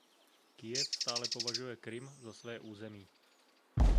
Kyjev stále považuje Krym za své území.